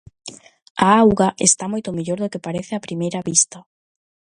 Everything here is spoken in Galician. A auga está moito mellor do que parece a primeira vista.